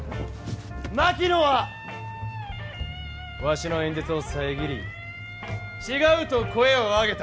槙野はわしの演説を遮り「違う」と声を上げた。